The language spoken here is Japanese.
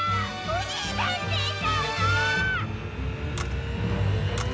おしりたんていさんが！